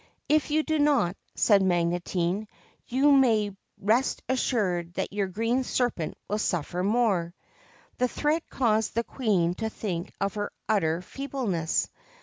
' If you do not,' said Magotine, 'you may rest assured that your Green Serpent will suffer more.' This threat caused the Queen to think of her utter feebleness.